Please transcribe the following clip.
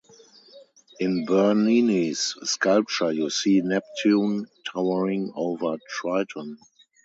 In Bernini's sculpture, you see Neptune towering over Triton.